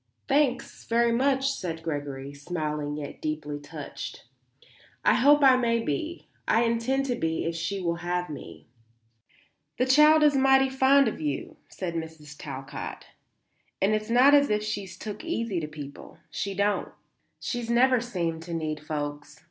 "Thanks, very much," said Gregory, smiling yet deeply touched. "I hope I may be. I intend to be if she will have me." "The child is mighty fond of you," said Mrs. Talcott. "And it's not as if she took easy to people. She don't. She's never seemed to need folks.